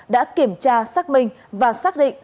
đã kiểm tra xác minh và xác định